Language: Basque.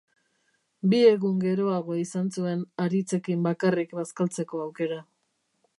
Bi egun geroago izan zuen Haritzekin bakarrik bazkaltzeko aukera.